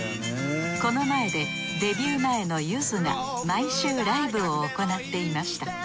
この前でデビュー前のゆずが毎週ライブを行っていました。